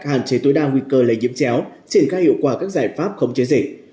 hạn chế tối đa nguy cơ lấy nhiễm chéo triển khai hiệu quả các giải pháp không chế dịch